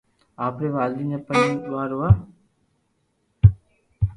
آپري والدين جا پنج ٻار هئا